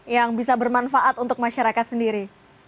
yang bisa bermanfaat untuk masyarakat sendiri